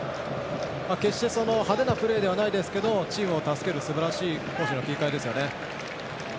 決して派手なプレーではないですが、チームを助けるすばらしい攻守の切り替えですね。